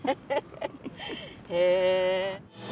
へえ。